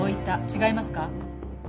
違いますか？